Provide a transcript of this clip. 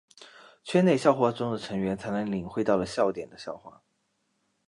圈内笑话中的成员才能领会到笑点的笑话。